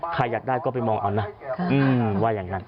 อยากได้ก็ไปมองเอานะว่าอย่างนั้น